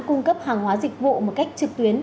cung cấp hàng hóa dịch vụ một cách trực tuyến